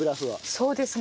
そうですね。